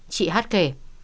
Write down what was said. chị hát kể